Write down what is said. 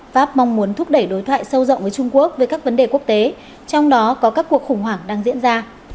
pháp mong muốn thúc đẩy đối thoại sâu rộng với trung quốc về các vấn đề quốc tế trong đó có các cuộc khủng hoảng đang diễn ra